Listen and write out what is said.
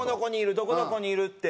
「どこどこにいる」って。